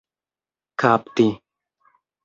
kapti